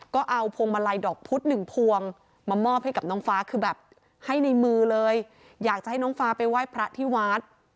ก็เอาพวงมาลัยดอกพุธหนึ่งพวงมามอบให้กับน้องฟ้าคือแบบให้ในมือเลยอยากจะให้น้องฟ้าไปไหว้พระที่วัด